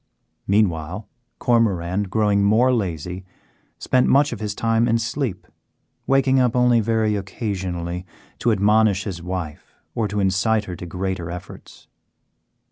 Meanwhile Cormoran, growing more lazy, spent much of his time in sleep, waking up only very occasionally to admonish his wife or to incite her to greater efforts.